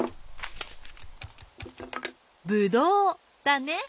ぶどうだね。